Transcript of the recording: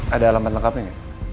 ada alamat lengkapnya gak